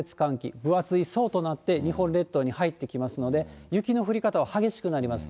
分厚い層となって日本列島に入ってきますので、雪の降り方は激しくなります。